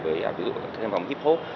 với ví dụ thêm vòng hip hop